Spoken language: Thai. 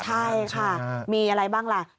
ใช่ค่ะมีอะไรบ้างล่ะ